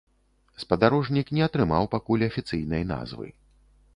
Спадарожнік не атрымаў пакуль афіцыйнай назвы.